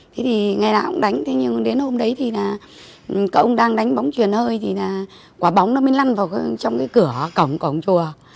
thế thì ngày nào cũng đánh thế nhưng đến hôm đấy thì là ông đang đánh bóng truyền hơi thì là quả bóng nó mới lăn vào trong cái cửa cổng cổng chùa